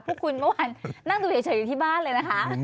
พวกคุณเมื่อวานนั่งดูเฉยอยู่ที่บ้านเลยนะคะ